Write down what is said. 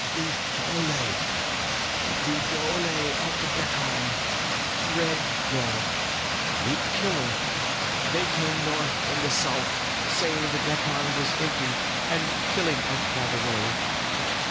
"The dhole, the dhole of the Dekkan Red Dog, the Killer! They came north from the south saying the Dekkan was empty and killing out by the way.